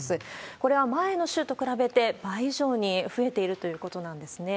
これは前の週と比べて倍以上に増えているということなんですね。